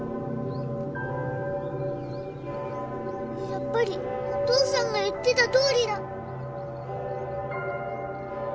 やっぱりお父さんが言ってたとおりだ。